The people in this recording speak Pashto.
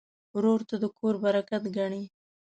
ورور ته د کور برکت ګڼې.